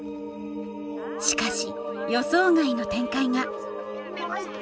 しかし予想外の展開がそして